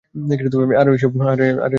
আর এসব তুমি কিভাবে জানলে?